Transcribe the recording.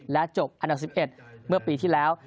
และจบอันดับ๑๑เมื่อปีที่แล้ว